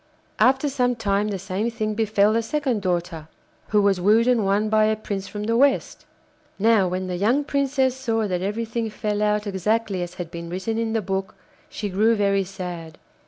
After some time the same thing befell the second daughter, who was wooed and won by a prince from the West. Now when the young Princess saw that everything fell out exactly as had been written in the book, she grew very sad.